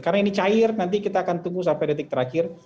karena ini cair nanti kita akan tunggu sampai detik terakhir